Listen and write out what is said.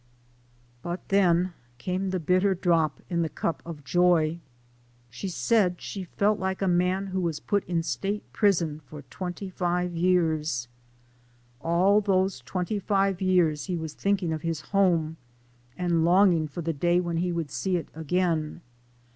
But then came the bitter drop in the cup of joy. fehe said she felt like a man who was put in State Prison for twenty five years. All these twenty 20 SOME SCENES IN THE five years he was thinking of his home, and long ing for the time when he would see it again.